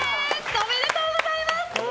おめでとうございます！